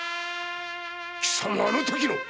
貴様あの時の？